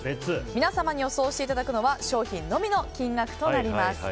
皆様に予想していただくのは商品のみの金額です。